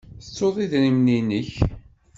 Tettuḍ idrimen-nnek.